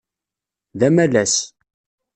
D amalas.